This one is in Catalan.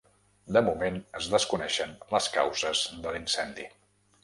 De moment, es desconeixen les causes de l’incendi.